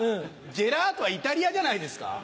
ジェラートはイタリアじゃないですか？